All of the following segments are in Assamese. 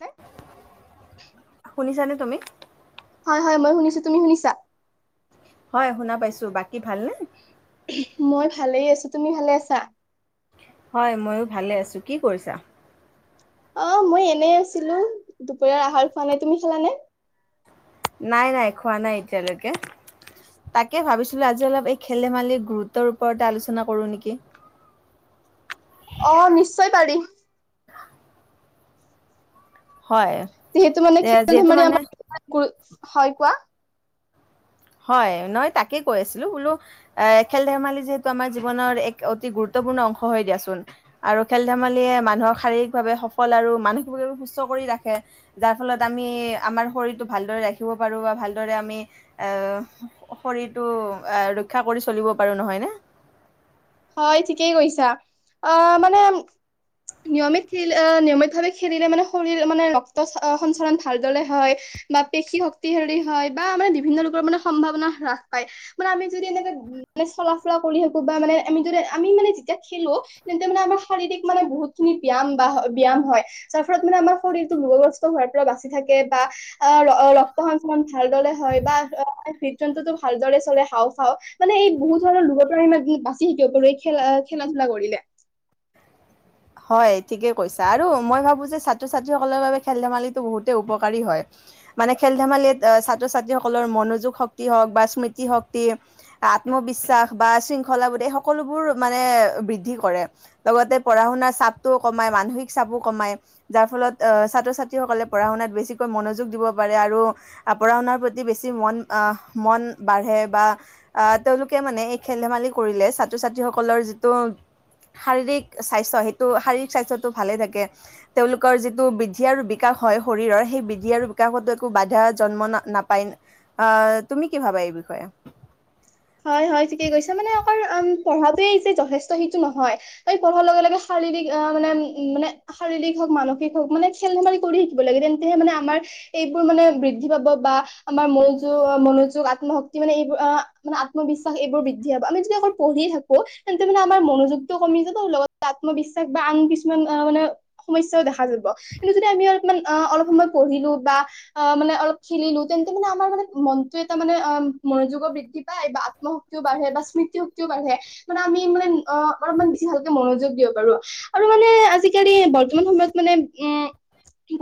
হ [unintelligible] শুনিছানে তুমি? হয় হয় মই শুনিছো তুমি শুনিছা হয় শুনা পাইছো বাকী ভালনে মই ভালেই আছো তুমি ভালে আছা হয় মইও ভালে আছো কি কৰিছা? অ মই এনে আছিলো দুপৰীয়াৰ আহাৰ খোৱা নাই তুমি [unintelligible] খালানে নাই নাই খোৱা নাই এতিয়ালৈকে তাকে ভাবিছিলো আজি অলপ এই খেল ধেমালিৰ গুৰুত্বৰ ওপৰতে আলোচনা কৰো নেকি? অ নিশ্চয় পাৰি হয় যিহেতু মানে এ, খেল যিহেতু ধেমালি মানে আমি হয় কোৱা [unintelligible] হয় নহয় তাকে কৈ আছিলো বোলো খেল ধেমালি যিহেতু আমাৰ জীৱনৰ এক অতি গুৰুত্ব। ৰ্ণ অংশ হৈ দিয়াচোন আৰু খেল ধেমালিয়ে মানুহক শাৰীৰিকভাৱে সফল আৰু মানসিকভাৱে সুস্থ কৰি [unintelligible] ৰাখে যাৰ ফলত আমি আমাৰ শৰীৰটো ভালদৰে ৰাখিব পাৰো বা ভালদৰে আমি শৰীৰটো ৰক্ষা কৰি চলিব পাৰোঁ নহয়নে হয় ঠিকেই কৰিছা অ মানে [unintelligible] নিয়মিত খেল নিয়মিতভাৱে খেলিলে মানে শৰীৰ মানে ৰক্ত সঞ্চালন ভালদৰে হয় বা পেশী শক্তি হেৰি হয় বা মানে বিভিন্ন লোকৰ মানে সম্ভাৱনা হ্ৰাস পায় মানে আমি যদি এনেকে [unintelligible] মানে চলা ফুৰা কৰি থাকো বা মানে [unintelligible] আমি যদি আমি মানে যেতিয়া খেলো তেন্তে মানে আমাৰ শাৰীৰিক মানে বহুত খিনি ব্যায়াম বা ব্যায়াম হয়। যাৰ ফলত মানে আমাৰ শৰীৰটো ৰোগগ্ৰস্ত হোৱাৰ পৰা বাচি থাকে বা ৰক্ত সঞ্চলন ভালদৰে হয়। [unintelligible] হয় বা অ হ হৃদযন্ত্ৰটো ভালদৰে চলে হাওঁফাওঁ মানে এই বহুত ধৰণৰ ৰোগৰ পৰা কি বাচি থাকিব পাৰো এই খেলা, খেলা ধূলা কৰিলে। হয় ঠিকেই কৈছা আৰু মই ভাবো যে ছাত্ৰ ছাত্ৰীসকলৰ বাবে খেল-ধেমালিটো বহুতেই উপকাৰী হয়। মানে খেল-ধেমালিত ছাত্ৰ-ছাত্ৰীসকলৰ মনোযোগ শক্তি হওক বা স্মৃতি শক্তি, আত আত্মবিশ্বাস বা শৃংখলা বুলি সকলোবোৰ মানে বৃদ্ধি কৰে। লগতে পঢ়া-শুনা চাপটোও কমায়, মানসিক চাপো কমায়। যাৰ ফলত অ ছাত্ৰ-ছাত্ৰীসকলে পঢ়া-শুনাত বেছিকৈ মনযোগ দিব কিব পাৰে আৰু পঢ়া শুনাৰ প্ৰতি বেছি মন অহ মন বাঢ়ে বা আ লোকে মানে এই খেল ধেমালি কৰিলে ছাত্ৰ-ছাত্ৰীসকলৰ যিটো শাৰীৰিক স্বাস্থ্য সেই টো শাৰীৰিক স্বাস্থ্যটো ভালে থাকে। তেওঁলোকৰ যিটো বৃদ্ধি আৰু বিকাশ হয় শৰীৰৰ, সেই বৃদ্ধি আৰু বিকাশতো একো বাধা জন্ম ন নাপায়। আহ তুমি কি ভাবা এই বিষয়ে? উ পঢ়াতোৱে যে যথেষ্ট সিটো নহয়। এই পঢ়াৰ লগে লগে শাৰীৰিক মানে উম মানে শাৰীৰিক হওঁক, মানসিক হওঁক মানে খেল-ধেমালি কৰি থাকিব লাগে তেন্তে হে মানে আমাৰ এইবোৰ মানে বৃদ্ধি পাব বা বা আমাৰ মনোয মনোযোগ আত্মশক্তি মানে এইবোৰ মানে আত্মবিশ্বাস এইবোৰ বৃদ্ধি হব। আমি যদি অকল পঢ়ি থাকো তেন্তে মানে আমাৰ মনোযোগটো কমি যাব লগত আত্ম বিশ্বাস বা আন কিছুমান অ মানে সমস্যাও দেখা যাব। কিন্তু যদি আমি অলপমান অলপ সময় পঢ়ি টো বা অ মানে অলপ খেলিলো তেন্তে মানে আমাৰ মানে মনতো এটা মানে অ মনোযোগৰ বৃদ্ধি বা আত্মশক্তিও বাঢ়ে, বা স্মৃতি শক্তিও বাঢ়ে। মানে আমি মানে অ অলপমান বেছি ভালকে মনোযোগ দিওঁ বাৰু আৰু মানে আজিকালি বৰ্তমান সময়ত মানে উ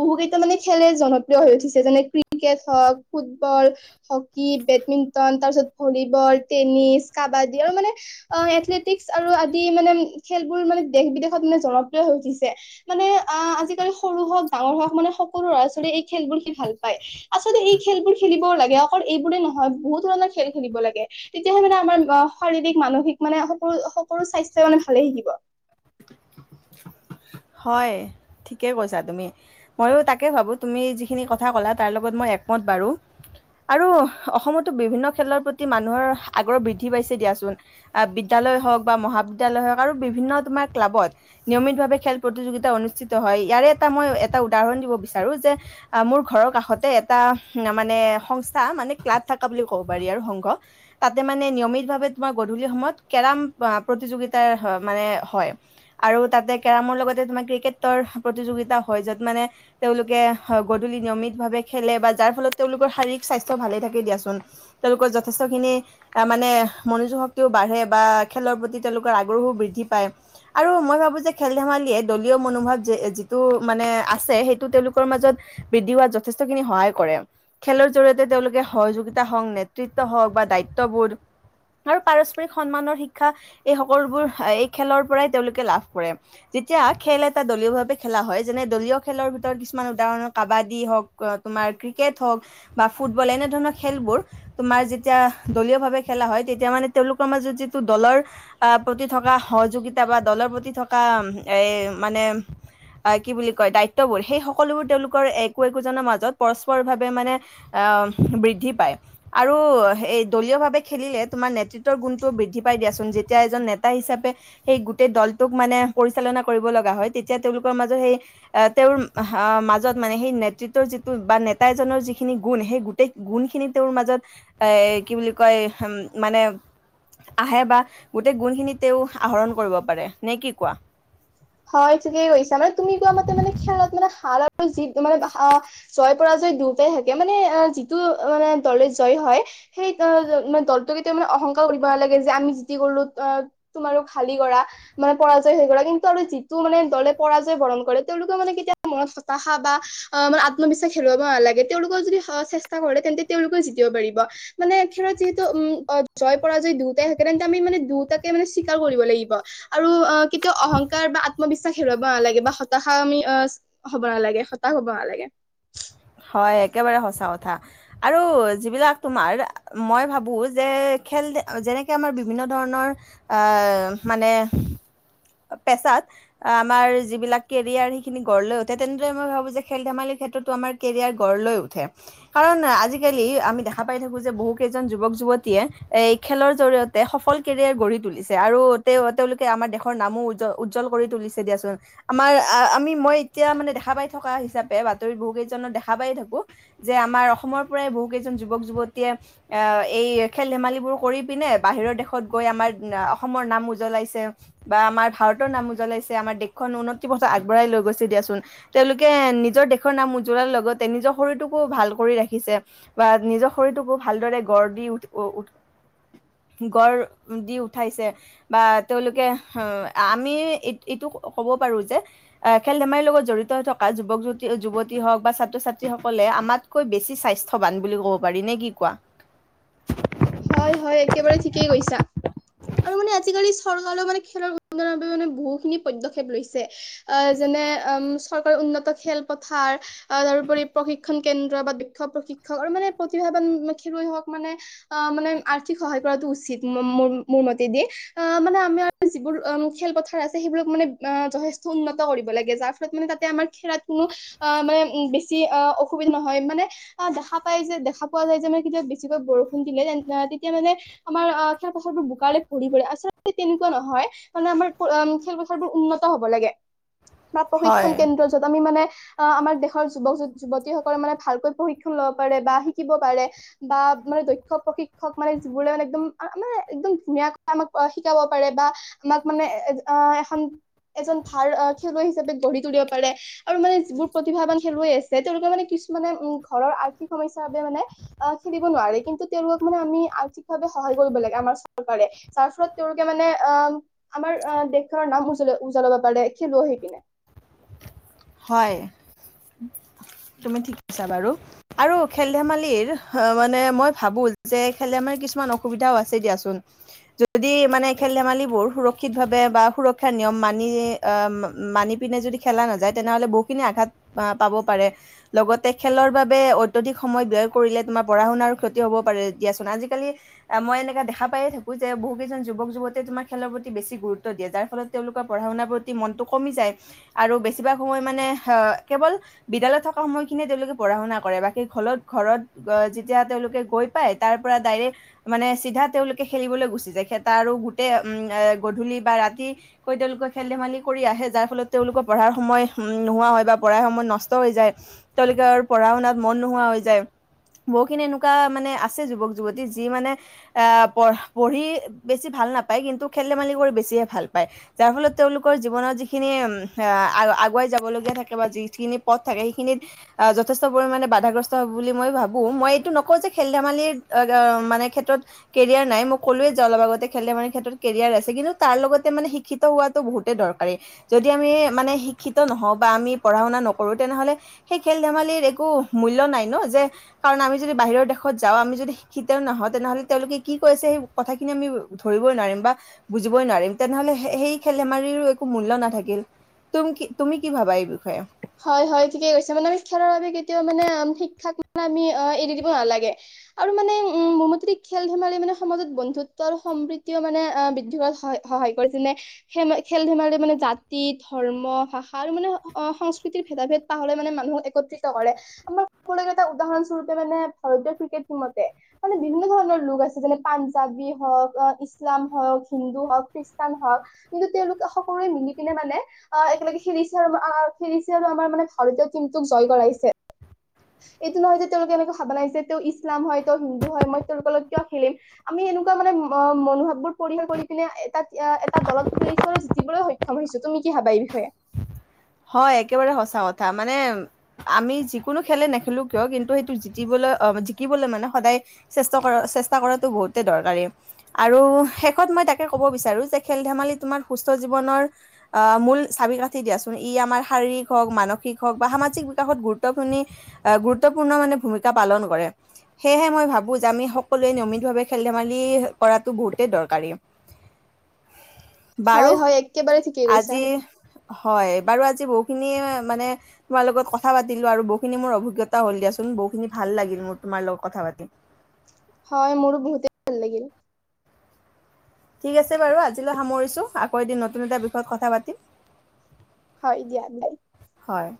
বহু কেইটা মানে খেলে জনপ্ৰিয় হৈ উঠিছে। যেনে ক্ৰিকেট হওঁক ফুটবল, হকী বেডমিণ্টন তাৰপিছত ভলীবল, টেনিছ, কাবাডী আৰু মানে অ, এথলেটিক্স আৰু আদি মানে খেলবোৰ মান দেশ-বিদেশত মানে জনপ্ৰিয় হৈ উঠিছে। মানে আ আজিকালি সৰু হওক, ডাঙৰ হওক, মানে সকলো ল'ৰা-ছোৱালী এই খেলবোৰ সি ভাল পাই, আচলতে এই খেলবোৰ খেলিবও লাগে অকল এইবোৰে নহয়। বহুত ধৰণৰ খেল খেলিব লাগে, তেতিয়াহে মানে আমাৰ অ শাৰীৰিক, মানসিক মানে সকলো-সকলো স্বাস্থ্য মানে ভালে থাকিব। [inaudible] হয় ঠিকে কৈছা তুমি। মইয়ো তাকে ভাবো তুমি যিখিনি কথা ক'লা তাৰ লগত মই একমত বাৰু। আৰু অসমতো বিভিন্ন খেলৰ প্ৰতি মানুহৰ আগ্ৰহ বৃদ্ধি পাইছে দিয়াচোন। বিদ বিদ্যালয় হওঁক বা মহাবিদ্যালয় হওঁক আৰু বিভিন্ন তোমাৰ ক্লাবত, নিয়মিতভাৱে খেল প্ৰতিযোগিতা অনুষ্ঠিত হয়। ইয়াৰে এটা মই এটা উদাহৰণ দিব বিচাৰো যে মোৰ ঘৰৰ কাষতে এটা আহ, মানে সংস্থা মানে ক্লাব থাকা বুলিও ক'ব পাৰি আৰু সংঘ, তাতে মানে নিয়মিতভাৱে গধূলি সময়ত কেৰম প্ৰতিযোগিতাৰ মানে হয় আৰু তাতে কেৰমৰ লগত তোমাৰ ক্ৰিকেটৰ প্ৰতিযোগিতা হয়। য'ত মানে তেওঁলোকে গধূলি নিয়মিত ভাৱে খেলে বা যাৰ ফলত তেওঁলোকৰ শাৰীৰিক স্বাস্থ্য ভালে থাকে দিয়াচোন। তেওঁলোকৰ যথেষ্ট খিনি মানে মনোযোগ শক্তিও বাঢ়ে বা খেলৰ প্ৰতি তেওঁলোকৰ আগ্ৰহো বৃদ্ধি পায় আৰু মই ভাবো যে খেল ধেমালিয়ে দলীয় মনোভাৱ যিটো মানে আছে, সেইটো তেওঁলোকৰ মাজত বৃদ্ধি হোৱাত যথেষ্টখিনি সহায় কৰে। খেলৰ জৰিয়তে তেওঁলোকে সহযোগিতা হওঁক নেতৃত্ব হওঁক বা দায়িত্ববোধ আৰু পাৰস্পৰিক সন্মানৰ শিক্ষা এই সকলোবোৰ এই খেলৰ পৰাই তেওঁলোকে লাভ কৰে। এতিয়া খেল এটা দলীয়ভাৱে খেলা হয় যেনে দলীয় খেলৰ ভিতৰত কিছুমান উদাহৰণ কাবাডী হওক তোমাৰ ক্ৰিকেট হওঁক, বা ফুটবলে এনেধৰণে খেলবোৰ তোমাৰ যেতিয়া দলীয় ভাৱে খেলা হয়, তেতিয়া মানে তেওঁলোকৰ মাজত যিটো দলৰ প্ৰতি থকা সহযোগিতা বা দলৰ প্ৰতি থকা এই মানে কি বুলি কয় দায়িত্ববোধ। সেই সকলোবোৰ তেওঁলোকৰ একো একোজনৰ মাজত পৰস্পৰভাৱে মানে বৃদ্ধি পায় আৰু এই দলীয়ভাৱে খেলিলে, তোমাৰ নেতৃত্বৰ গুণটো বৃদ্ধি পায় পাই দিয়াচোন, যেতিয়া এজন নেতা হিচাপে সেই গোটেই দলটোক মানে পৰি চালনা কৰিব লগা হয়, তেতিয়া তেওঁলোকৰ মাজত সেই, তেওঁৰ মাজত মানে সেই নেতৃত্বৰ যিটো বা নেতা এজনৰ যিখিনি গুণ, সেই গোটেই গুণখিনি তেওঁৰ মাজত এ কি বুলি কয়? মানে, আহে বা গোটেই গুণখিনিত তেওঁ আহৰণ কৰিব পাৰে, নে কি কোৱা? হয় কিও কি ছা মানে তুমি কোৱা মতে মানে খেলাত মানে হাল আৰু জী মানে আহ জয় পৰা দুটা থাকে মানে যিটো দলে জয়ী হয় সেই দলটোক এতিয়া মা শংকা কৰিব নালাগে যে আমি যি কৰলো অ তুমাৰো খালি কৰা মানে পৰাজয় হৈ গলা আৰু যিটো মানে দলে পৰাজয় বৰণ কৰে তেওঁলোকে মানে কেতিয়া মনত হতাশা বা অ মানে আত্মবিশ্বাস মোৰো ভাল লাগে, তেওঁলোকৰ যদি সাহ চেষ্টা কৰে, তেওঁলোকে-তেওলোকে জিকিব পাৰিব, মানে একচলি উম, আহ জয় পৰা জয় দুয়টাই থাকে তেন্তে আমি মানে দুটাকে মানে স্বীকাৰ কৰিব লাগিব আৰু আহ কেতিয়া অহং। বা আত্মবিশ্বাস হেৰুৱাব নালাগে বা হতাশ আমি হ'ব নালাগে, হতাশ হ'ব নালাগে। [inaudible] হয় একেবাৰে সঁচা কথা, আৰু যিবিলাক তোমাৰ মই ভাবো যে খেল যেনেকে আমাৰ বিভিন্ন ধৰণৰ মানে পেছাত আমাৰ যিবিলাক কেৰিয়াৰ সেইখিনি গঢ় লৈ উঠে তেনেদৰে মই ভাবো যে খেল ধেমালি, ক্ষেত্ৰতো আমাৰ কেৰিয়াৰ গঢ় লৈ উঠে, কাৰণ আজিকালি আমি দেখা পাই থাকোঁ যে, বহুকেইজন যুৱক-যুৱতীয়ে এ খেলৰ জৰিয়তে সফল কেৰিয়াৰ গঢ়ি তুলিছে আৰু তেওঁ-তেওঁলোকে আমাৰ দেশৰ নামো উ উজ্জ্বল কৰি তুলিছে দিয়াচোন আমাৰ আমি মই এতিয়া মানে দেখা পাই থকা হিচাপে বাতৰি বহুকেই তেনে দেখা পাই থাকো। যে আমাৰ অসমৰ পৰাই বহু কেইজন যুৱক যুৱতীয়ে আহ এই খেল ধেমালিবোৰ কৰি পিনে বাহিৰ বাহিৰ দেশত গৈ আমাৰ অসমৰ নাম উজ্বলাইছে, বা আমাৰ ভাৰতৰ নাম উজ্বলাইছে, আমাৰ দেশৰ নাম উজ্বলাই মনত কিবা এটা আগবঢ়াই লৈ গৈছে দিয়াচোন, তেওঁলোকে নিজৰ দেশৰ নাম উজ্জ্বল লগতে নিজৰ শৰীৰটোকো ভাল কৰি ৰাখিছে বা নিজৰ শৰীৰটোকো ভালদৰে গঢ় দি উঠিছে। গ় দি উঠাইছে বা তেওঁলোকে আহ আমি এইটো কব পাৰোঁ যে খেল ধেমালি লগত জঢ়িত হৈ থকা যুবন যুৱতী যু- হওক বা ছাত্ৰ-ছাত্ৰীসকলে আমাতকৈ বেছি স্বাস্থ্যৱান বুলি ক'ব পাৰি, নে কি কোৱা? হয়-হয়, একেবাৰে ঠিকেই কৈছা। আৰু মানে আজিকালি চৰকাৰেও মানে খেলৰ উন্নয়নৰ বাবে মানে, বহুখিনি পদ্যক্ষেপ লৈছে। যেনে চৰকাৰে উন্নত খেলপথাৰ তাৰপৰি প্ৰশিক্ষণ কেন্দ্ৰ বা প্ৰশিক্ষক আৰু মানে প্ৰতিভান খেলুৱৈ হওক মানে অ মানে আৰ্থিক সহায় কৰা উচিত। মোৰ মাতেদি আ যিবোৰ খেল পথাৰ আছে মানে উন্নত কৰিব লাগে যাৰ ফলত মানে তাতে আমাৰ খেলাত কোনো অ মানে বেছি অ অসুবিধা নহয় মানে দেখা পাই যে, দেখা পোৱা যায় যে, মানে কেতিয়া বেছিকৈ বৰষুণ দিলে, তেতিয়া মানে আমাৰ অ খেল পথাৰবোৰ বোকাৰে ভৰি পৰে আচলতে তেনেকুৱা নহয় কাৰণে আমাৰ খেলপথাৰবোৰ উন্নত হ'ব লাগে। প্ৰ হয় প্ৰশিক্ষন কেন্দ্ৰ য'ত আমি মানে, অ আমাৰ দেশৰ যুৱক যুৱতীসকলে মানে ভালকৈ প্ৰশিক্ষণ লব পাৰে বা শিকিব পাৰে বা দক্ষক প্ৰশিকক মানে যিবোৰ মানে একদম মানে, একদম ধুনীয়াকে আমাক শিকাব পাৰে বা তাক মানে এ এখন এজন ভাল খেলুৱৈ হিচাপে গঢ়ি তুলিব পাৰে আৰু মানে যিবোৰ প্ৰতিভাবান খেলুৱৈ আছে, তেওঁলোকে মানে কিছুমানে ঘৰৰ আৰ্থিক সমস্যা ৰ মানে খেলিব নোৱাৰে কিন্তু তেওঁলোকক মানে আমি আৰ্থিকভাৱে সহায় কৰিব লাগিব চৰ তাৰ ফলত তেওঁলোকে মানে অ আমাৰ দেশৰ নাম উজ উজ্বলাব। পালে [unintelligible] হয় তুমি ঠিক কৈছা বাৰু আৰু খেল ধেমালিৰ মানে মই ভাবো যে খেল ধেমালি। কিছুমান অসুবিধাও আছে দিয়াচোন, যি মানে খেল-ধেমালি বোৰ সুৰক্ষিতভাৱে বা সুৰক্ষিত নিয়ম মানি অ মানি পিনে যদি খেলা নাযায়। যায়, তেনেহলে বহুখিনি আঘাত পাব পাৰে, লগতে খেলৰ বাবে উদ্যোগিক সময় ব্যয় কৰিলে তোমাৰ পঢ়া শুনাৰ ক্ষতি হ'ব পাৰে দিয়াচোন আজালি মই এনেকা দেখ পায়ে থাকো যে বহু কেইজন যুৱক য প্ৰতি তোমাৰ খেলৰ প্ৰতি বেছি গুৰুত্ব দিয়ে, যাৰ ফলত তেওঁলোকৰ পঢ়া-শুনাৰ প্ৰতি মনটো কমি যায় আৰু বেছি বিবা সময় মানে আহ কেৱল বিদ্যালয়ত থকা সময় খিনিয়ে তেওঁলোকে পঢ়া শুনা কৰে বাকী ঘৰত ঘৰত, যেতিয়া তেওঁলোকে গৈ পাই, তাৰ পৰা ডাইৰেক্ট মানে চিধা তেওঁলোকে খেলিবলৈ গুচি যায়, ত আৰু গোটেই উম এ গধূলি বা ৰাতি কৈ তেওঁলোকে খেল ধেমালি কৰি আহে যাৰ ফলত তেওঁলোকৰ পঢ়াৰ সময় নোহোৱা হয় বা পঢ়াৰ সময়ত নষ্ট হৈ যায়, তেওঁলোকে আৰু পঢ়া শুনাত মন নোহোৱা হৈ যায়। বহুখিনি এনেকুৱা মানে আছে যুৱক যুৱতী যি মানে আহ পঢ পঢ়ি বেছি ভাল। ভাল নাপায়, কিন্তু খেল-ধেমালি কৰি বেছিহে ভাল পায়, যাৰ ফলত তেওঁলোকৰ জীৱনত যিখিনি আৰু আগুৱাই যাবলগীয়া থাকে বা যিখিনি পথ থাকে, সেইখিনিত যথেষ্ট পৰিমাণে বাধাগ্ৰস্ত হব বুলি মই ভাবোঁ, মই এইটো নকওঁ যে খেল-ধেমালিৰ মানে ক্ষেত্ৰত কেৰিয়াৰ নাই, মই ক'লোৱে যে, অলপ আগতে খেল-ধেমালি ক্ষেত্ৰত কেৰিয়াৰ আছে, কিন্তু তাৰ লগত মানে শিক্ষিত হোৱাতো বহুতে দৰকাৰী, যদি আমি মানে শিক্ষিত নহও বা আমি পঢ়া-শুনা নকৰো, তেনেহলে সেই খেল ধেমালিৰ একো মূল্য নাই ন, যে কাৰণ আমি যদি বাহিৰৰ দেশত যাওঁ আমি যদি শিক্ষিতও নহওঁ তেনেহ'লে তেওঁলোকে কৈছে সেই কথাখিনি আমি ধৰি নম বা বুজই নোৱাৰিম তেনেহলে সেই খেল ধেমালিৰো একো মূল্য নাথাকিল, তুম কি তুমি কি ভাবা এই বিষয়ে হয়-হয়, ঠিকেই কৈছা, মানে আমি খেলাৰ বাবে কি তেওঁ মানে শিক্ষাক আমি এৰি দিব নালাগে, আৰু মানে উম, মনত যদি খেল-ধেমালি ম সমাজত বন্ধুত্ব সম্ৰীতিও মানে বৃদ্ধি কৰাত সহায় কৰে যেনে খেল ধেমালি মানে মানে জাতি ধৰ্ম ভাষাৰ মানে, অসংস্কৃতিৰ ভেদা-ভেদ তাৰ হ'লে মানে মানুহ একত্ৰিত কৰে, আমাৰ ক এটা উদাহৰণস্বৰূপে ভাৰতীয় ক্ৰিকেট টিমতে মানে বিভিন্ন ধৰণৰ লোক আছে যেনে পাঞ্জাৱী হওক ইছলাম হওক হিন্দু হওক খ্ৰীষ্টান হওক কিন্তু তেওঁলোকে সকলোৱে মিলি পিনে মানে একেলগে, খেলিছে আৰু খেলিছে আৰু আমাৰ মানে, ভাৰতীয় টিমটোক জয় কৰা হৈছে। এইটো নহয় যে তেওঁলোকে এনেকা ভাবনা আহিছে, যে তেওঁ ইছলাম হয়, তেওঁ হিন্দু হয়, মই তেওঁলোকৰ লগত কিয় খেলিম, আমি আমি সেনেকুৱা মানে মনোভাৱ বোৰ পৰিহাৰ কৰি পিনে এটা এটা দলত খেলিছো আৰু জিকিবলৈ সক্ষম হৈছো। তুমি কি ভাবা এই বিষয়ে? হয় একেবাৰে সঁচা কথা মানে আমি যিকোনো খেলে নেখেলো কিয় কিন্তু সেইটো জিকিবলৈ অ জিকিবলৈ মানে সদায় চেষ্টা কৰা চেষ্টা কৰাটো বহুতে দৰকাৰী আৰু শেষত মই তাকে কব বিচাৰো যে খেল ধেমালি তোমাৰ হুষ্ট জীৱনৰ মূল চাবি কাঠি দিয়া। ই আমাৰ শাৰীৰিক হওক মানসিক হওক বা সামাজিক বিকাশত গুৰুত্বপূৰ্ণ গুৰুত্বপূৰ্ণ মানে ভূমিকা পালন কৰে সেয়েহে মই ভাবোঁ যে আমি সকলোৱে নিয়মিতভাৱে খেল ধেমালি কৰাটো বহুতেই দৰকাৰী হয় বাৰু হয় একেবাৰে ঠিকেই কৈছা। আজি হয় বাৰু আজি বহুতখিনি মানে তোমাৰ লগত কথা পাতিলো আৰু বহুখিনি মোৰ অভিজ্ঞতাও হ'ল দিয়াচোন। বহু খিনি ভাল লাগিল মোৰ তোমাৰ লগত কথা পাতি। হয় মোৰো বহুতে ভাল লাগিল। ঠিক আছে বাৰু আজিলৈ সামৰিছোঁ আকৌ এদিন নতুন এটা বিষয়ত কথা পাতিম। হয় জ্ঞান ভাই হয়